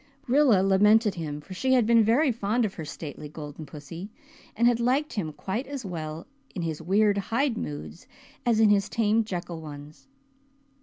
Rilla lamented him, for she had been very fond of her stately golden pussy, and had liked him quite as well in his weird Hyde moods as in his tame Jekyll ones.